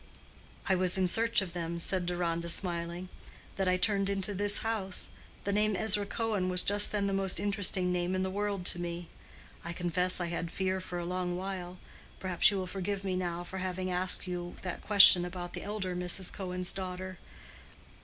"It was in search of them," said Deronda, smiling, "that I turned into this house: the name Ezra Cohen was just then the most interesting name in the world to me. I confess I had fear for a long while. Perhaps you will forgive me now for having asked you that question about the elder Mrs. Cohen's daughter.